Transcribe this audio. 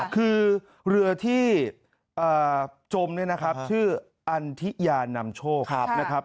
คือเรือที่จมเนี่ยนะครับชื่ออันทิยานำโชคนะครับ